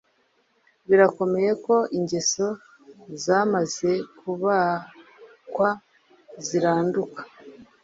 Birakomeye ko ingeso zamaze kubakwa ziranduka